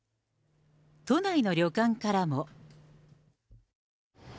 都内の旅館からも。